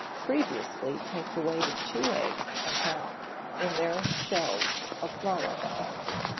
Previously take the weight of two eggs and a half, in their shells, of flour.